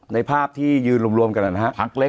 ในภาพที่คือยืนรวมกันอ่ะครับ